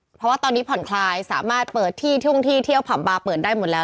เพราะว่าตอนนี้ผ่อนคลายสามารถเปิดที่ทุ่งที่เที่ยวผับบาร์เปิดได้หมดแล้ว